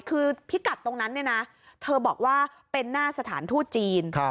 คือพิกัดตรงนั้นเนี่ยนะเธอบอกว่าเป็นหน้าสถานทูตจีน